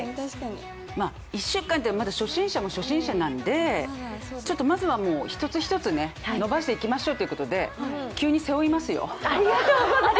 １週間って初心者も初心者なんでちょっと、まずは一つ一つ伸ばしていきましょうということで急に背負いますよ。